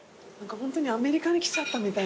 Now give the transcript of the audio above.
ホントにアメリカに来ちゃったみたいな。